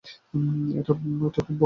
এটা খুব বড় নয়।